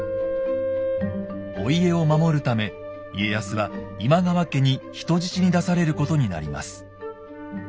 お家を守るため家康は今川家に人質に出されることになります。